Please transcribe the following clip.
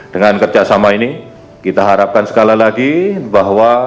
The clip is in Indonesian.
dengan kerjasama ini kita harapkan sekali lagi bahwa